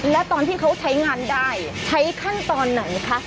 แล้วตอนที่เขาใช้งานได้ใช้ขั้นตอนไหนคะ